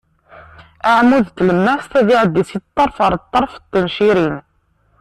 Aɛmud n tlemmast ad iɛeddi si ṭṭerf ɣer ṭṭerf n tencirin.